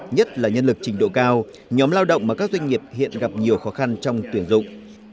nhất là nhân lực trình độ cao nhóm lao động mà các doanh nghiệp hiện gặp nhiều khó khăn trong tuyển dụng